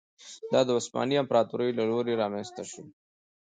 دا د عثماني امپراتورۍ له لوري رامنځته شول.